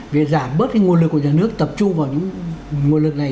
để giảm bớt cái nguồn lực của nhà nước tập trung vào những nguồn lực này